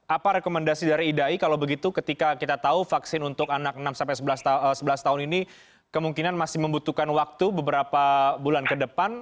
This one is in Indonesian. apa rekomendasi dari idai kalau begitu ketika kita tahu vaksin untuk anak enam sebelas tahun ini kemungkinan masih membutuhkan waktu beberapa bulan ke depan